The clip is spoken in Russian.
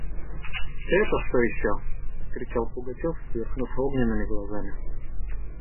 – Это что еще! – вскричал Пугачев, сверкнув огненными глазами.